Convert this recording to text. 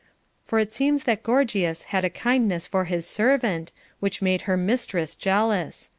For it seems that Gorgias had a kindness for his servant, which made her mistress jealous.